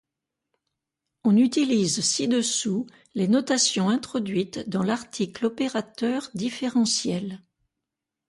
On utilise ci-dessous les notations introduites dans l'article opérateur différentiel.